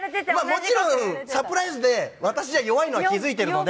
もちろんサプライズで私じゃ弱いのは気付いてるので。